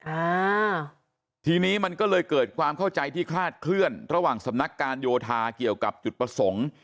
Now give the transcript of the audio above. อ่าทีนี้มันก็เลยเกิดความเข้าใจที่คลาดเคลื่อนระหว่างสำนักการโยธาเกี่ยวกับจุดประสงค์